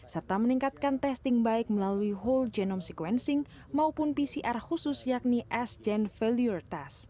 serta meningkatkan testing baik melalui whole genome sequencing maupun pcr khusus yakni s gen failure test